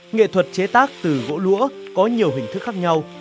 nghệ thuật chế tác từ gỗ lũa có nhiều hình thức khác nhau